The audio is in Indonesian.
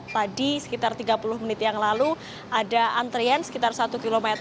tadi sekitar tiga puluh menit yang lalu ada antrian sekitar satu km